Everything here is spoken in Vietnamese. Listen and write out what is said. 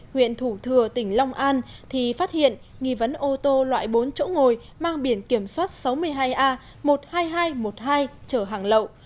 huyện thủ thừa tỉnh long an thì phát hiện nghi vấn ô tô loại bốn chỗ ngồi mang biển kiểm soát sáu mươi hai a một mươi hai nghìn hai trăm một mươi hai chở hàng lậu